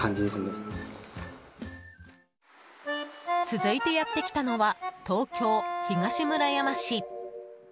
続いてやってきたのは東京・東村山市。